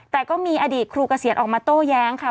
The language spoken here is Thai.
แต่ก็มีอดีตครูเกษียณออกมาโต้แย้งค่ะ